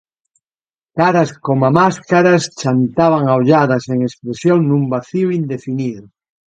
Caras coma máscaras chantaban a ollada sen expresión nun vacío indefinido.